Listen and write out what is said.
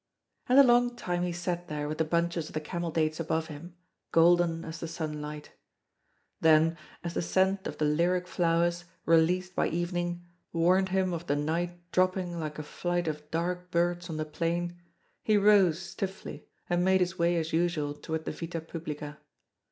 And a long time he sat there with the bunches of the camel dates above him, golden as the sunlight. Then, as the scent of the lyric flowers, released by evening, warned him of the night dropping like a flight of dark birds on the plain, he rose stiffly, and made his way as usual toward the Vita Publica.